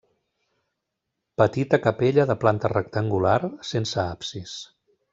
Petita capella de planta rectangular, sense absis.